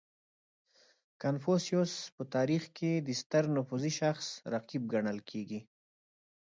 • کنفوسیوس په تاریخ کې د ستر نفوذي شخص رقیب ګڼل کېږي.